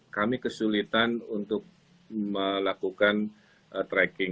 kami kesulitan untuk melakukan tracking